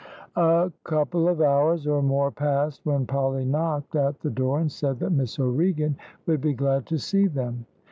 A couple of hours or more passed, when Polly knocked at the door, and said that Miss O'Regan would be glad to see them.